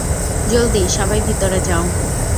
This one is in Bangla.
জলদি, সবাই ভিতরে যাও!